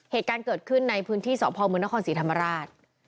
เหตุการณ์เกิดขึ้นในพื้นที่สพมนครศรีธรรมราช